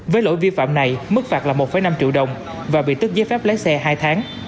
với lỗi vi phạm này mức phạt là một năm triệu đồng và bị tức giấy phép lái xe hai tháng